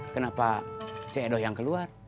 kenapa cik edo yang keluar